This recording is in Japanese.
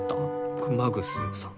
熊楠さん。